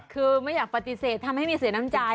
คือไม่อยากปฏิเสธทำให้มีเสียน้ำใจ